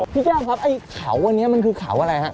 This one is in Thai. แก้วครับไอ้เขาอันนี้มันคือเขาอะไรฮะ